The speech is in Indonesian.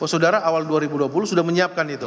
saudara awal dua ribu dua puluh sudah menyiapkan itu